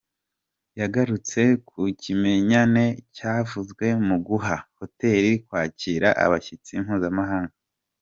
yagarutse ku kimenyane cyavuzwe mu guha. hoteli kwakira abashyitsi mpuzamahanga.